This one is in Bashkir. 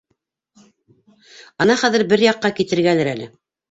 Ана хәҙер бер яҡҡа китергәлер әле.